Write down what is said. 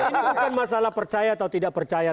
ini bukan masalah percaya atau tidak percaya